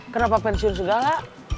kenapa pensiun segala